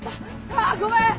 あっごめん！